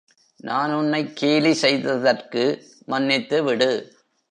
நான் உன்னைக் கேலி செய்ததற்கு மன்னித்து விடு.